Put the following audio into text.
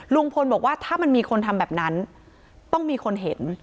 ลุงพลบอกว่าถ้ามันมีคนทำแบบนั้นต้องมีคนเห็น